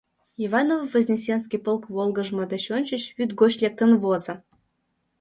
Иваново-Вознесенский полк волгыжмо деч ончыч вӱд гоч лектын возо.